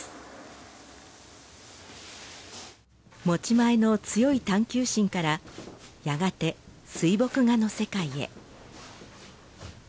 持ち前の強い探究心からやがて水墨画の世界へ。